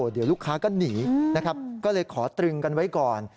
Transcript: เดี๋ยวลูกค้าก็หนีนะครับก็เลยขอตรึงกันไว้ก่อน